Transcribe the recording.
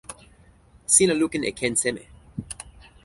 sina lukin e ken seme?